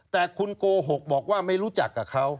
แต่คุณโกหกบอกว่าไม่รู้จักกับเขา